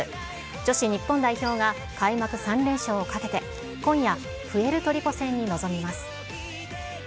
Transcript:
女子日本代表が、開幕３連勝をかけて、今夜、プエルトリコ戦に臨みます。